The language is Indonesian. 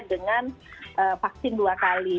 dengan vaksin dua kali